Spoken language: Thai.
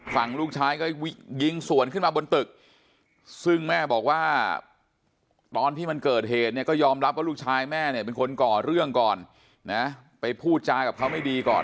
ฝั่งลูกชายก็ยิงส่วนมาบอุ้นตึกคือแม่บอกว่าตอนที่มันเกิดเหตุก็ยอมรับว่าลูกชายแม่เนี่ยก่อนเนี่ยไปพูดจ้ายกับเขาไม่ดีก่อน